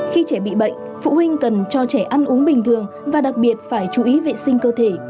khi trẻ bị bệnh phụ huynh cần cho trẻ ăn uống bình thường và đặc biệt phải chú ý vệ sinh cơ thể